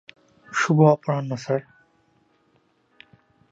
শুভ অপরাহ্ণ, স্যার।